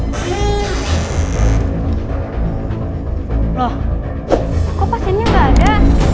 kau pasiennya gak ada